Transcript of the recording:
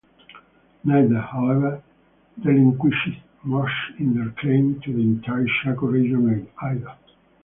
Neither, however, relinquished much in their claim to the entire Chaco region either.